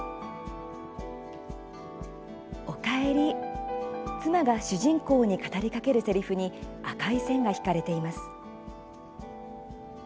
「お帰りー」妻が主人公に語りかけるせりふに赤い線が引かれています。